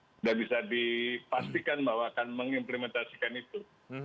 sudah bisa dipastikan bahwa akan mengimplementasikan itu